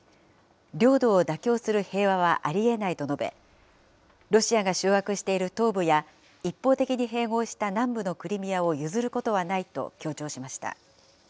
領土を妥協する平和はありえないと述べ、ロシアが掌握している東部や、一方的に併合した南部のクリミアを譲ることはないと強調しました。